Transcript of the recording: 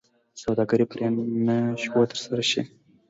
سوداګري پرې نه شوه ترسره شي.